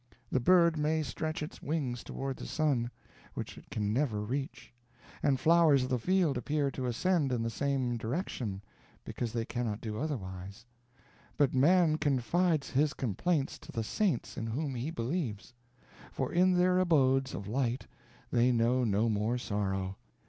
The bird may stretch its wings toward the sun, which it can never reach; and flowers of the field appear to ascend in the same direction, because they cannot do otherwise; but man confides his complaints to the saints in whom he believes; for in their abodes of light they know no more sorrow.